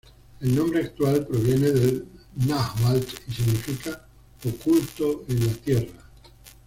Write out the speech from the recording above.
El nombre actual, proviene del náhuatl, y significa "oculto en la tierra".